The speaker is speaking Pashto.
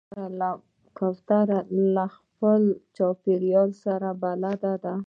کوتره له خپل چاپېریال سره بلد ده.